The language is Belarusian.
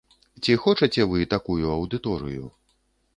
Ці хочаце вы такую аўдыторыю?